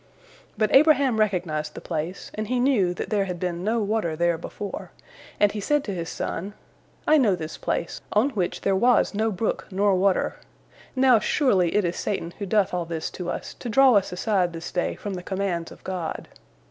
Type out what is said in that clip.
But Abraham recognized the place, and he knew that there had been no water there before, and he said to his son: "I know this place, on which there was no brook nor water. Now, surely, it is Satan who doth all this to us, to draw us aside this day from the commands of God."